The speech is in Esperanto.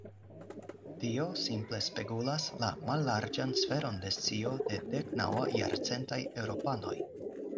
Tio simple spegulas la mallarĝan sferon de scio de deknaŭajarcentaj eŭropanoj.